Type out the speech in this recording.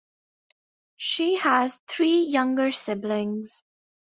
She has three younger siblings.